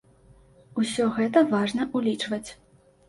Усё гэта важна ўлічваць.